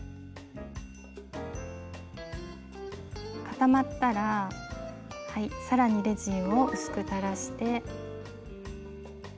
固まったら更にレジンを薄く垂らして。